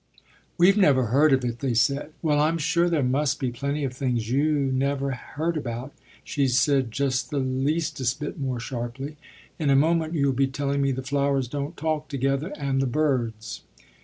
"We never heard of it," they said. "Well, I'm sure there must be plenty of things you never heard about," she said just the "leastest" bit more sharply. "In a moment you'll be telling me the flowers don't talk together, and the birds."